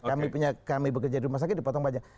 kami bekerja di rumah sakit dipotong pajak